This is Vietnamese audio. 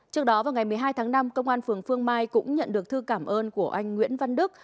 trước đó vào ngày một mươi hai tháng năm công an phường phương mai cũng nhận được thư cảm ơn của anh nguyễn văn đức